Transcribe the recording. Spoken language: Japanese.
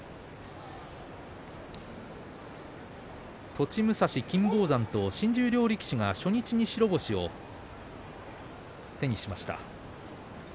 栃武蔵、金峰山と新十両力士が初日に白星を手にしました。